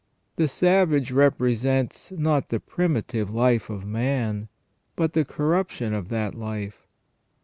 The savage represents not the primitive life of man, but the corruption of that life.